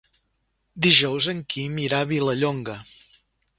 Dijous en Quim irà a Vilallonga.